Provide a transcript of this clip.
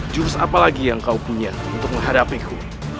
jurus apalagi yang kau punya untuk menghadapi ku